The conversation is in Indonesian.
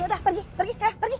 udah pergi pergi kah pergi